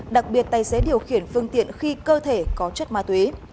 đặc biệt tài xế điều khiển phương tiện khi cơ thể có chất ma túy